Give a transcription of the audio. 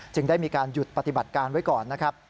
ได้มีการหยุดปฏิบัติการไว้ก่อนนะครับ